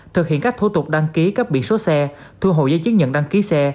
thực hiện các thủ tục đăng ký cấp biển số xe thu hồi giấy chứng nhận đăng ký xe